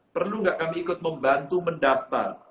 perlu nggak kami ikut membantu mendaftar